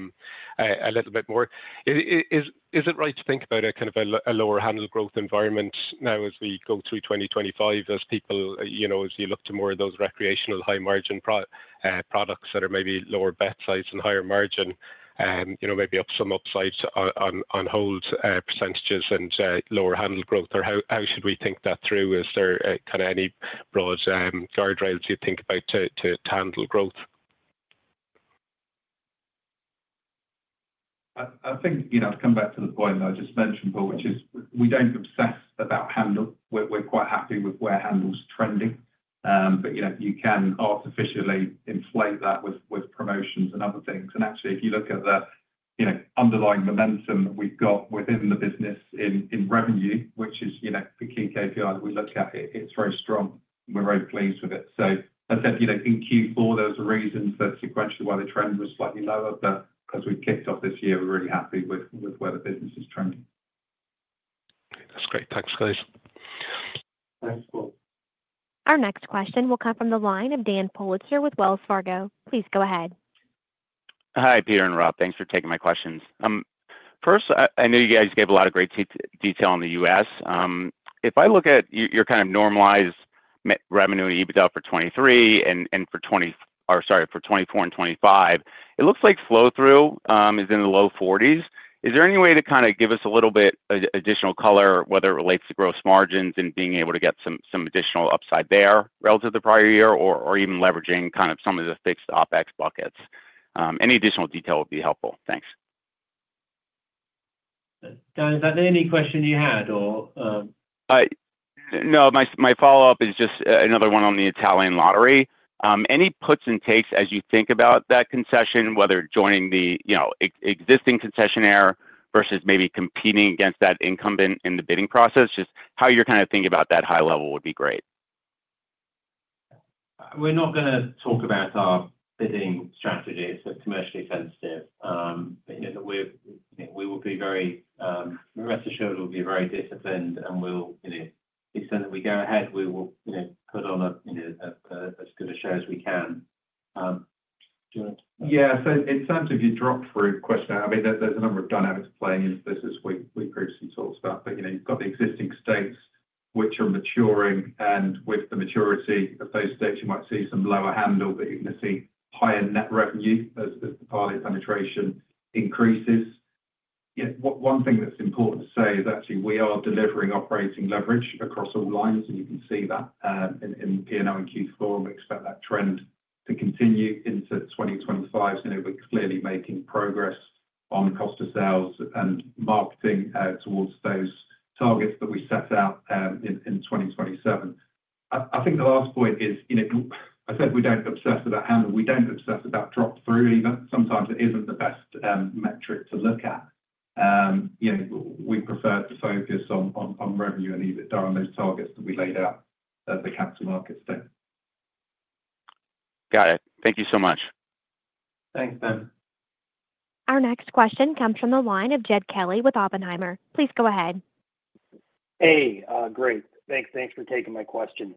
Speaker 12: little bit more, is it right to think about a kind of a lower handle growth environment now as we go through 2025, as people, as you look to more of those recreational high-margin products that are maybe lower bet size and higher margin, maybe some upside on hold percentages and lower handle growth? Or how should we think that through? Is there kind of any broad guardrails you think about to handle growth?
Speaker 4: I think to come back to the point that I just mentioned, Paul, which is we don't obsess about handle. We're quite happy with where handle's trending, but you can artificially inflate that with promotions and other things. And actually, if you look at the underlying momentum that we've got within the business in revenue, which is the key KPI that we look at, it's very strong. We're very pleased with it. So I said in Q4, there were reasons that sequentially why the trend was slightly lower, but because we've kicked off this year, we're really happy with where the business is trending.
Speaker 12: Okay. That's great. Thanks, guys.
Speaker 4: Thanks, Paul.
Speaker 1: Our next question will come from the line of Dan Politzer with Wells Fargo. Please go ahead.
Speaker 13: Hi, Peter and Rob. Thanks for taking my questions. First, I know you guys gave a lot of great detail on the US. If I look at your kind of normalized revenue EBITDA for 2023 and for 2024 and 2025, it looks like flow-through is in the low 40s. Is there any way to kind of give us a little bit additional color, whether it relates to gross margins and being able to get some additional upside there relative to the prior year, or even leveraging kind of some of the fixed OpEx buckets? Any additional detail would be helpful. Thanks.
Speaker 3: Dan, is that any question you had, or?
Speaker 13: No. My follow-up is just another one on the Italian lottery. Any puts and takes as you think about that concession, whether joining the existing concessionaire versus maybe competing against that incumbent in the bidding process? Just how you're kind of thinking about that at a high level would be great.
Speaker 3: We're not going to talk about our bidding strategy. It's commercially sensitive. You can rest assured we'll be very disciplined, and to the extent that we go ahead, we will put on as good a show as we can.
Speaker 4: Yeah. So in terms of your drop-through question, I mean, there's a number of dynamics playing into this as we previously talked about. But you've got the existing states, which are maturing, and with the maturity of those states, you might see some lower handle, but you're going to see higher net revenue as the parlay penetration increases. One thing that's important to say is actually we are delivering operating leverage across all lines, and you can see that in P&L in Q4, and we expect that trend to continue into 2025. We're clearly making progress on cost of sales and marketing towards those targets that we set out in 2027. I think the last point is, I said we don't obsess about handle. We don't obsess about drop-through either. Sometimes it isn't the best metric to look at. We prefer to focus on revenue and EBITDA and those targets that we laid out at the capital markets thing.
Speaker 14: Got it. Thank you so much.
Speaker 3: Thanks, Dan.
Speaker 1: Our next question comes from the line of Jed Kelly with Oppenheimer. Please go ahead.
Speaker 15: Hey. Great. Thanks for taking my question.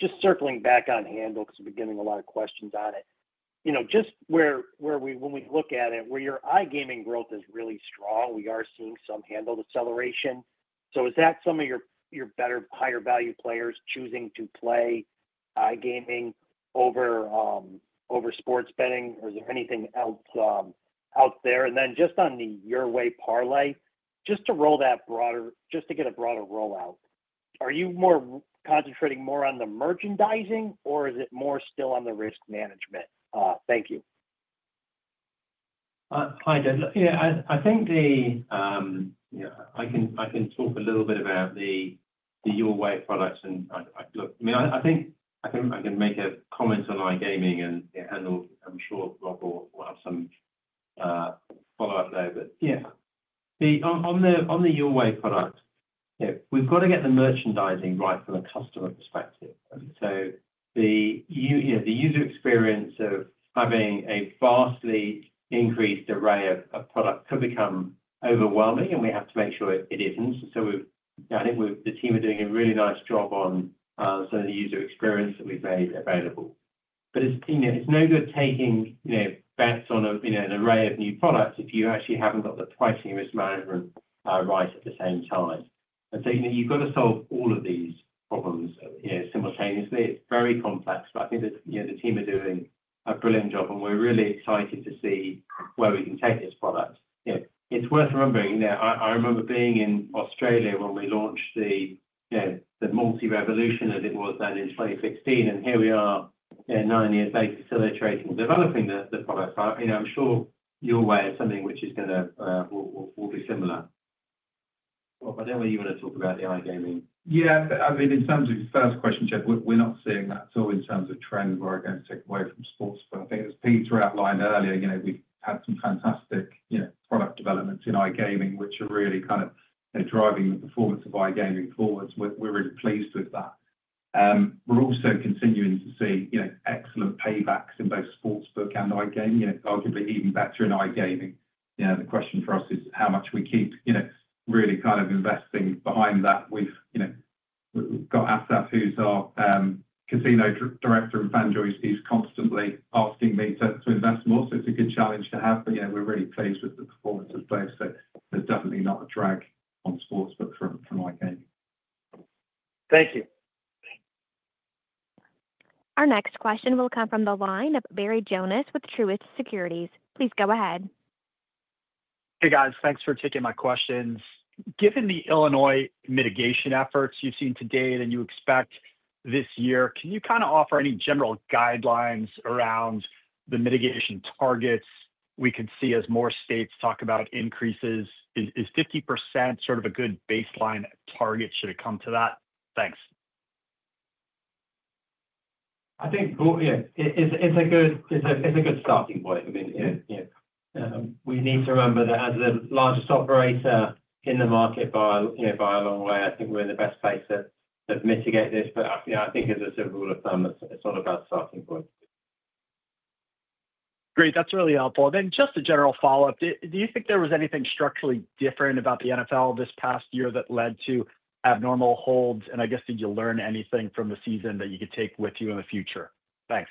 Speaker 15: Just circling back on handle, because we've been getting a lot of questions on it. Just when we look at it, where your iGaming growth is really strong, we are seeing some handle acceleration. So is that some of your better higher value players choosing to play iGaming over sports betting, or is there anything else out there? And then just on the Your Way parlay, just to roll that broader, just to get a broader rollout, are you concentrating more on the merchandising, or is it more still on the risk management? Thank you.
Speaker 3: Hi, Jed. I think I can talk a little bit about the Your Way products. And I mean, I think I can make a comment on iGaming, and I'm sure Rob will have some follow-up there. But yeah, on the Your Way product, we've got to get the merchandising right from a customer perspective. And so the user experience of having a vastly increased array of products could become overwhelming, and we have to make sure it isn't. And so I think the team are doing a really nice job on some of the user experience that we've made available. But it's no good taking bets on an array of new products if you actually haven't got the pricing risk management right at the same time. And so you've got to solve all of these problems simultaneously. It's very complex, but I think the team are doing a brilliant job, and we're really excited to see where we can take this product. It's worth remembering, I remember being in Australia when we launched the multi-revolution as it was then in 2016, and here we are nine years later facilitating and developing the products. I'm sure Your Way is something which is going to be similar. Rob, I don't know whether you want to talk about the iGaming.
Speaker 4: Yeah. I mean, in terms of your first question, Jed, we're not seeing that at all in terms of trend where it's going to take away from sports. But I think as Peter outlined earlier, we've had some fantastic product developments in iGaming, which are really kind of driving the performance of iGaming forward. We're really pleased with that. We're also continuing to see excellent paybacks in both sportsbook and iGaming, arguably even better in iGaming. The question for us is how much we keep really kind of investing behind that. We've got Asaf, who's our casino director at FanDuel, constantly asking me to invest more. So it's a good challenge to have, but we're really pleased with the performance of both. So there's definitely not a drag on sportsbook from iGaming.
Speaker 15: Thank you.
Speaker 1: Our next question will come from the line of Barry Jonas with Truist Securities. Please go ahead.
Speaker 16: Hey, guys. Thanks for taking my questions. Given the Illinois mitigation efforts you've seen to date and you expect this year, can you kind of offer any general guidelines around the mitigation targets we could see as more states talk about increases? Is 50% sort of a good baseline target? Should it come to that? Thanks.
Speaker 3: I think, yeah, it's a good starting point. I mean, we need to remember that as the largest operator in the market by a long way, I think we're in the best place to mitigate this. But I think as a rule of thumb, it's not a bad starting point.
Speaker 16: Great. That's really helpful. Then just a general follow-up. Do you think there was anything structurally different about the NFL this past year that led to abnormal holds? And I guess, did you learn anything from the season that you could take with you in the future? Thanks.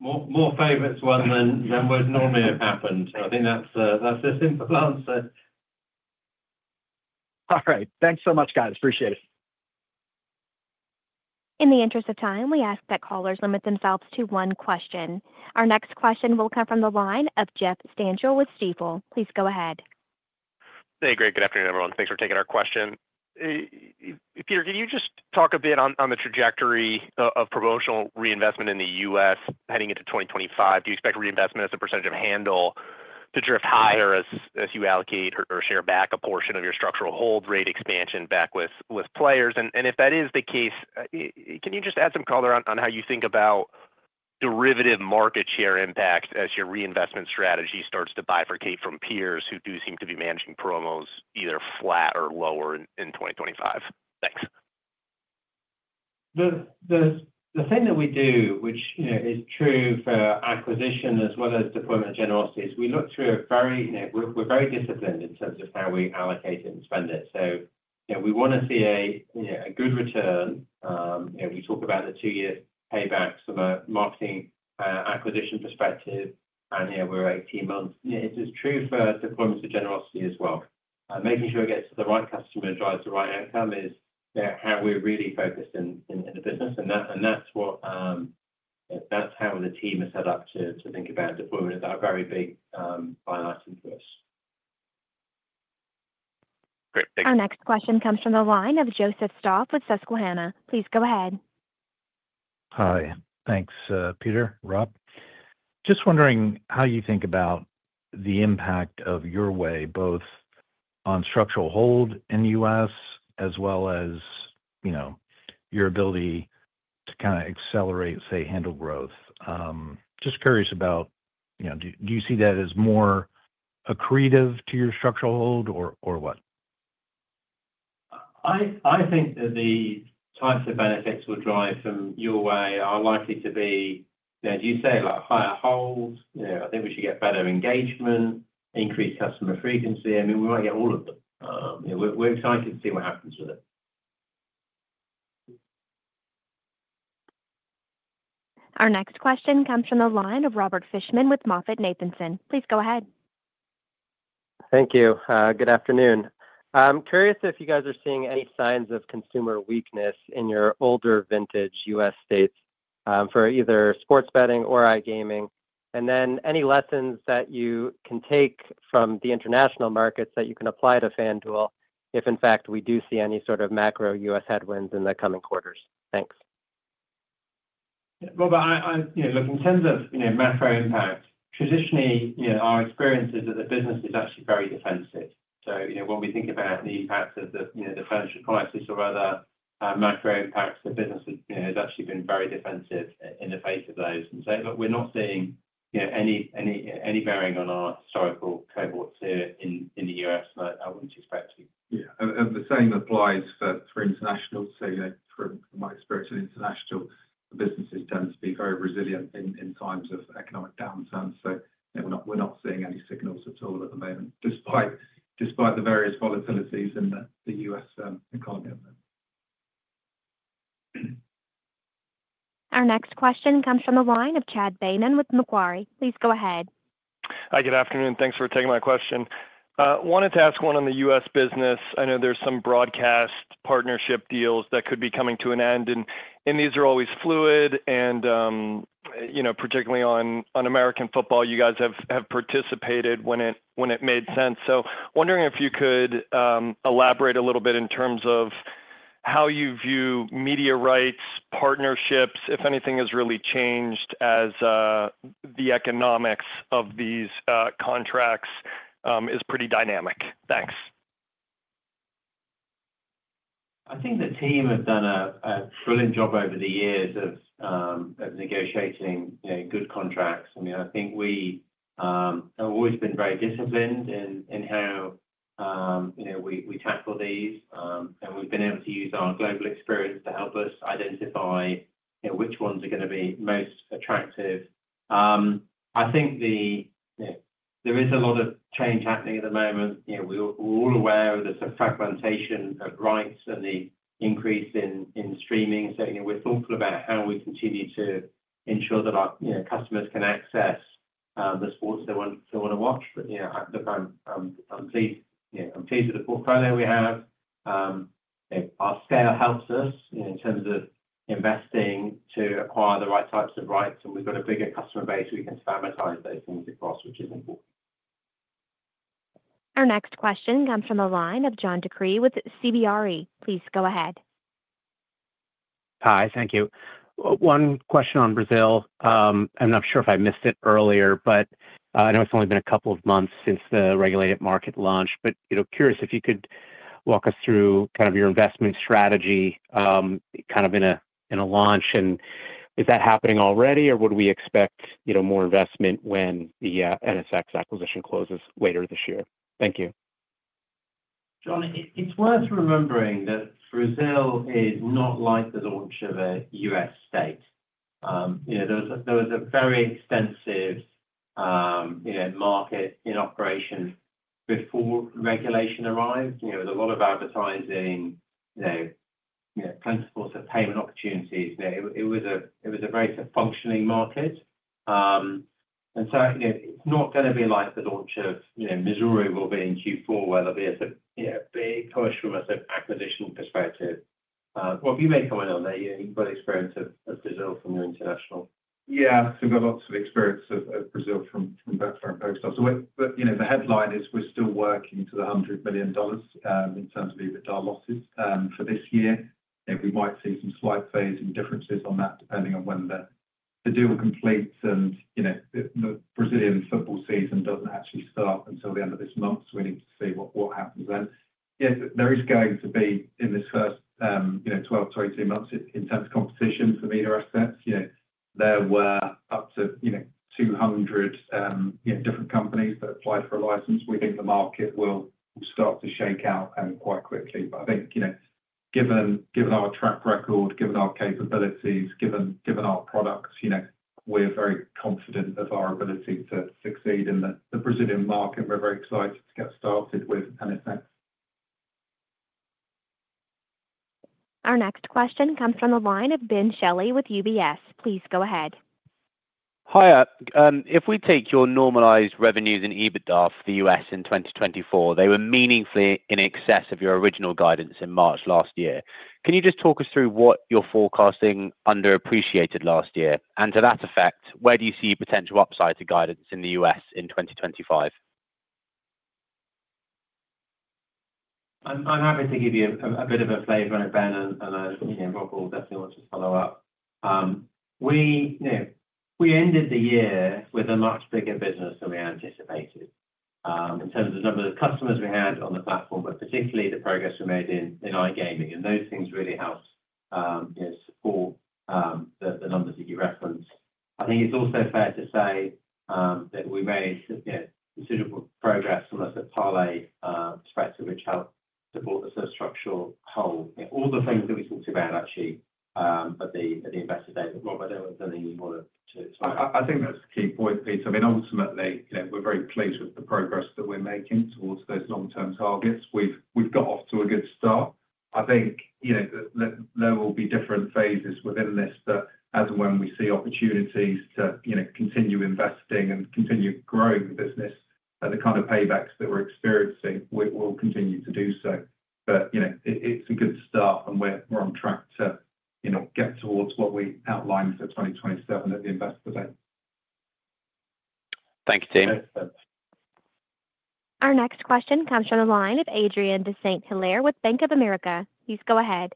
Speaker 3: More favorites than would normally have happened. I think that's a simple answer.
Speaker 16: All right. Thanks so much, guys. Appreciate it.
Speaker 1: In the interest of time, we ask that callers limit themselves to one question. Our next question will come from the line of Jeffrey Stantial with Stifel. Please go ahead.
Speaker 17: Hey, great. Good afternoon, everyone. Thanks for taking our question. Peter, can you just talk a bit on the trajectory of promotional reinvestment in the U.S. heading into 2025? Do you expect reinvestment as a percentage of handle to drift higher as you allocate or share back a portion of your structural hold rate expansion back with players? And if that is the case, can you just add some color on how you think about derivative market share impact as your reinvestment strategy starts to bifurcate from peers who do seem to be managing promos either flat or lower in 2025? Thanks.
Speaker 3: The thing that we do, which is true for acquisition as well as deployment of generosity, is we're very disciplined in terms of how we allocate it and spend it. So we want to see a good return. We talk about the two-year paybacks from a marketing acquisition perspective, and we're 18 months. It's true for deployments of generosity as well. Making sure it gets to the right customer and drives the right outcome is how we're really focused in the business. And that's how the team is set up to think about deployment of our very big financing for us.
Speaker 17: Great. Thanks.
Speaker 1: Our next question comes from the line of Joseph Stauff with Susquehanna. Please go ahead.
Speaker 18: Hi. Thanks, Peter, Rob. Just wondering how you think about the impact of Your Way, both on structural hold in the U.S. as well as your ability to kind of accelerate, say, handle growth. Just curious about, do you see that as more accretive to your structural hold, or what?
Speaker 3: I think the types of benefits we'll drive from your way are likely to be, as you say, higher holds. I think we should get better engagement, increased customer frequency. I mean, we might get all of them. We're excited to see what happens with it.
Speaker 1: Our next question comes from the line of Robert Fishman with MoffettNathanson. Please go ahead.
Speaker 19: Thank you. Good afternoon. I'm curious if you guys are seeing any signs of consumer weakness in your older vintage U.S. states for either sports betting or iGaming, and then any lessons that you can take from the international markets that you can apply to FanDuel if, in fact, we do see any sort of macro U.S. headwinds in the coming quarters. Thanks.
Speaker 3: Rob, look, in terms of macro impact, traditionally, our experience is that the business is actually very defensive. So when we think about the impact of the financial crisis or other macro impacts, the business has actually been very defensive in the face of those. And so we're not seeing any bearing on our historical cohorts here in the U.S., and I wouldn't expect to be.
Speaker 4: Yeah, and the same applies for international, so from my experience in international, the business has tended to be very resilient in times of economic downturns, so we're not seeing any signals at all at the moment, despite the various volatilities in the U.S. economy at the moment.
Speaker 1: Our next question comes from the line of Chad Beynon with Macquarie. Please go ahead.
Speaker 20: Hi, good afternoon. Thanks for taking my question. Wanted to ask one on the U.S. business. I know there's some broadcast partnership deals that could be coming to an end, and these are always fluid. And particularly on American football, you guys have participated when it made sense. So wondering if you could elaborate a little bit in terms of how you view media rights, partnerships, if anything has really changed as the economics of these contracts is pretty dynamic. Thanks.
Speaker 3: I think the team have done a brilliant job over the years of negotiating good contracts. I mean, I think we have always been very disciplined in how we tackle these, and we've been able to use our global experience to help us identify which ones are going to be most attractive. I think there is a lot of change happening at the moment. We're all aware of the fragmentation of rights and the increase in streaming. So we're thoughtful about how we continue to ensure that our customers can access the sports they want to watch. But look, I'm pleased with the portfolio we have. Our scale helps us in terms of investing to acquire the right types of rights. And we've got a bigger customer base we can standardize those things across, which is important.
Speaker 1: Our next question comes from the line of John DeCree with CBRE. Please go ahead.
Speaker 21: Hi. Thank you. One question on Brazil. And I'm sure if I missed it earlier, but I know it's only been a couple of months since the regulated market launched. But curious if you could walk us through kind of your investment strategy kind of in a launch. And is that happening already, or would we expect more investment when the NSX acquisition closes later this year? Thank you.
Speaker 3: John, it's worth remembering that Brazil is not like the launch of a U.S. state. There was a very extensive market in operation before regulation arrived. There was a lot of advertising, principles of payment opportunities. It was a very functioning market. And so it's not going to be like the launch of Missouri will be in Q4, whether it be a big push from a acquisition perspective. Rob, you may comment on that. You've got experience of Brazil from your international.
Speaker 4: Yeah. So we've got lots of experience of Brazil from background. So the headline is we're still working to the $100 million in terms of EBITDA losses for this year. We might see some slight phase differences on that depending on when the deal completes, and the Brazilian football season doesn't actually start until the end of this month, so we need to see what happens then. Yes, there is going to be, in this first 12-18 months, intense competition for media assets. There were up to 200 different companies that applied for a license. We think the market will start to shake out quite quickly, but I think given our track record, given our capabilities, given our products, we're very confident of our ability to succeed in the Brazilian market. We're very excited to get started with NSX.
Speaker 1: Our next question comes from the line of Ben Andrews with UBS. Please go ahead.
Speaker 22: Hi. If we take your normalized revenues and EBITDA for the U.S. in 2024, they were meaningfully in excess of your original guidance in March last year. Can you just talk us through what you're forecasting underappreciated last year, and to that effect, where do you see potential upside to guidance in the U.S. in 2025?
Speaker 3: I'm happy to give you a bit of a flavor and a bang, and Rob will definitely want to follow up. We ended the year with a much bigger business than we anticipated in terms of the number of customers we had on the platform, but particularly the progress we made in iGaming. Those things really helped support the numbers that you referenced. I think it's also fair to say that we made considerable progress from the parlay perspective, which helped support the structural hold. All the things that we talked about actually at the investor day that Rob, I don't know if there's anything you want to explain.
Speaker 4: I think that's the key point, Peter. I mean, ultimately, we're very pleased with the progress that we're making towards those long-term targets. We've got off to a good start. I think there will be different phases within this, but as and when we see opportunities to continue investing and continue growing the business, the kind of paybacks that we're experiencing, we'll continue to do so. But it's a good start, and we're on track to get towards what we outlined for 2027 at the investor day.
Speaker 22: Thank you, team.
Speaker 1: Our next question comes from the line of Adrien de Saint Hilaire with Bank of America. Please go ahead.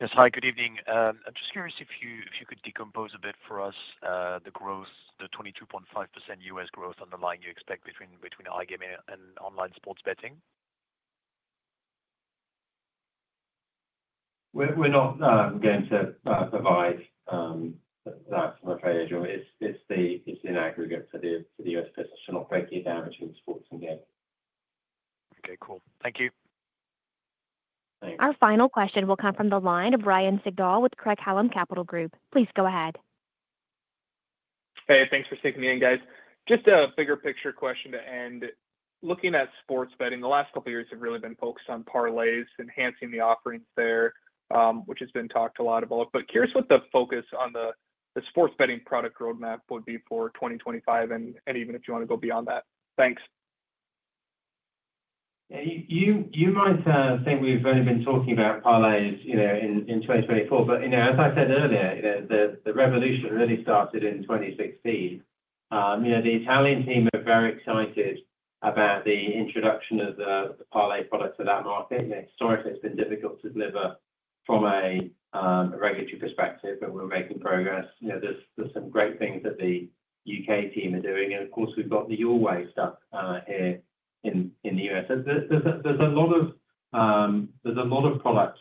Speaker 23: Yes. Hi, good evening. I'm just curious if you could decompose a bit for us the growth, the 22.5% U.S. growth underlying you expect between iGaming and online sports betting?
Speaker 3: We're not going to provide that from a fairly age. It's in aggregate for the U.S. business. It's not breaking down between sports and gaming.
Speaker 23: Okay. Cool. Thank you.
Speaker 3: Thanks.
Speaker 1: Our final question will come from the line of Ryan Sigdahl with Craig-Hallum Capital Group. Please go ahead.
Speaker 24: Hey, thanks for sticking in, guys. Just a bigger picture question to end. Looking at sports betting, the last couple of years have really been focused on parlays, enhancing the offerings there, which has been talked a lot about. But curious what the focus on the sports betting product roadmap would be for 2025, and even if you want to go beyond that. Thanks.
Speaker 3: Yeah. You might think we've only been talking about parlays in 2024, but as I said earlier, the revolution really started in 2016. The Italian team are very excited about the introduction of the parlay product to that market. Historically, it's been difficult to deliver from a regulatory perspective, but we're making progress. There's some great things that the U.K. team are doing. And of course, we've got the Your Way stuff here in the U.S. There's a lot of product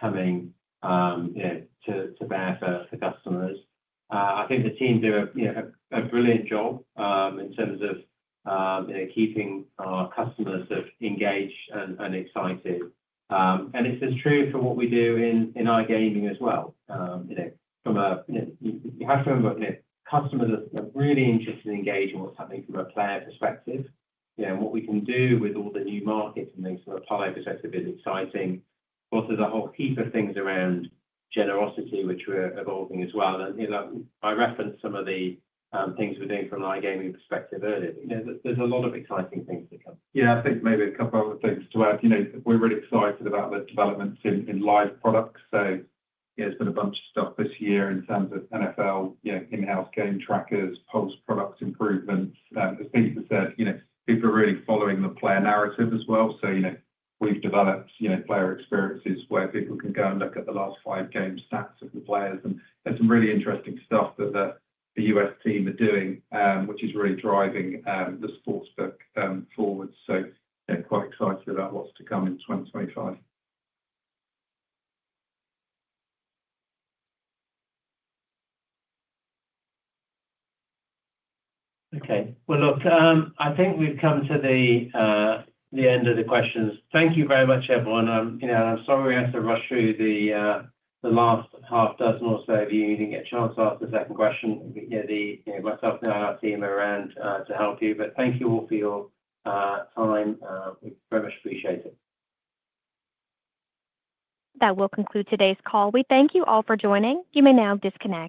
Speaker 3: coming to bear for customers. I think the team do a brilliant job in terms of keeping our customers engaged and excited. And it's true for what we do in iGaming as well. You have to remember, customers are really interested in engaging what's happening from a player perspective. And what we can do with all the new markets and things from a parlay perspective is exciting. But there's a whole heap of things around generosity, which we're evolving as well. And I referenced some of the things we're doing from an iGaming perspective earlier. There's a lot of exciting things to come.
Speaker 4: Yeah. I think maybe a couple of other things to add. We're really excited about the developments in live products. So there's been a bunch of stuff this year in terms of NFL in-house game trackers, post-product improvements. As Peter said, people are really following the player narrative as well. So we've developed player experiences where people can go and look at the last five game stats of the players. And there's some really interesting stuff that the U.S. team are doing, which is really driving the sportsbook forward. So quite excited about what's to come in 2025.
Speaker 3: Okay. Well, look, I think we've come to the end of the questions. Thank you very much, everyone. I'm sorry we had to rush through the last half dozen or so of you. You didn't get a chance to ask the second question. Myself and our team are around to help you. But thank you all for your time. We very much appreciate it.
Speaker 1: That will conclude today's call. We thank you all for joining. You may now disconnect.